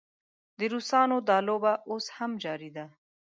د روسانو دا لوبه اوس هم جاري ده.